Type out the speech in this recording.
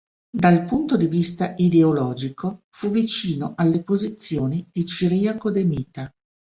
Dal punto di vista ideologico fu vicino alle posizioni di Ciriaco De Mita.